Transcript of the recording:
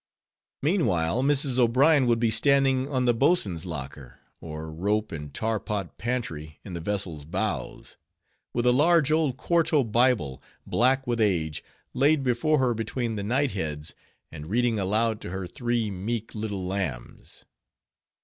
Meanwhile, Mrs. O'Brien would be standing on the boatswain's locker—or rope and tar pot pantry in the vessel's bows—with a large old quarto Bible, black with age, laid before her between the knight heads, and reading aloud to her three meek little lambs.